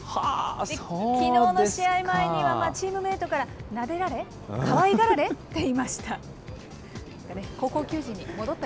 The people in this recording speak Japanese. きのうの試合前には、チームメートからなでられ、かわいがられていました。